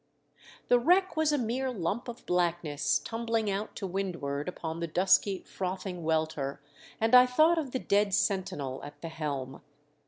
The wreck was a mere lump of blackness tumbling out to windward upon the dusky frothing welter, and I thought of the dead sentinel at the helm.